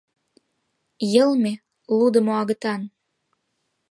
К.- Йылме — лудымо агытан!